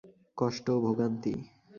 কষ্ট, ভোগান্তি!